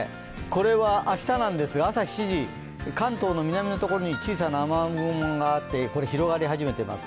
これは明日なんですが、朝７時、関東の南のところに小さな雨雲があってこれ、広がり始めています。